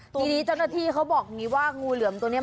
ทีเจ้าหน้าที่หรือบอกว่างูเหลืองตัวนี้